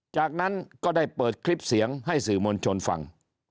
จากนั้นก็ได้เปิดคลิปเสียงให้สื่อมวลชนฟัง